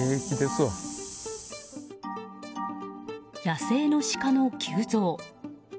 野生のシカの急増。